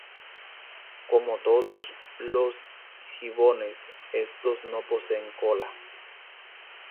Como todos los gibones, estos no poseen cola.